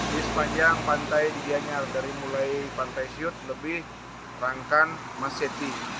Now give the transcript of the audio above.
di sepanjang pantai gianyar dari mulai pantai syut lebih rangkan mas seti